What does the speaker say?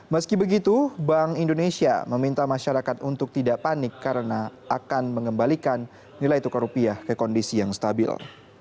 meski begitu bank indonesia meminta masyarakat untuk tidak panik karena akan mengembalikan nilai tukar rupiah ke kondisi yang stabil